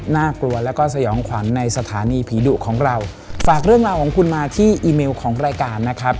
น่ากลัวแล้วก็สยองขวัญในสถานีผีดุของเราฝากเรื่องราวของคุณมาที่อีเมลของรายการนะครับ